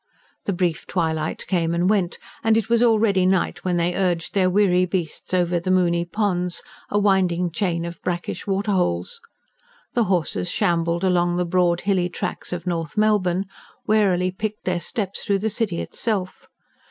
The brief twilight came and went, and it was already night when they urged their weary beasts over the Moonee ponds, a winding chain of brackish waterholes. The horses shambled along the broad, hilly tracks of North Melbourne; warily picked their steps through the city itself.